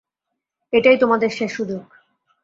এটাই তোমাদের শেষ সুযোগ।